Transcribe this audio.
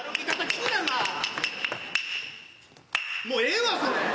もうええわそれ。